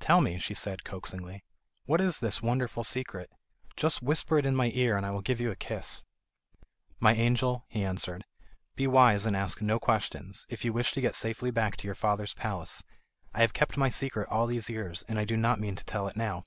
"Tell me," she said, coaxingly, "what is this wonderful secret? Just whisper it in my ear, and I will give you a kiss." "My angel," he answered, "be wise, and ask no questions, if you wish to get safely back to your father's palace; I have kept my secret all these years, and do not mean to tell it now."